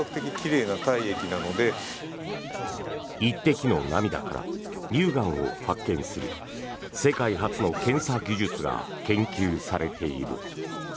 １滴の涙から乳がんを発見する世界初の検査技術が研究されている。